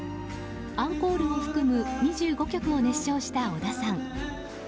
アンコールを含む２５曲を熱唱した小田さん。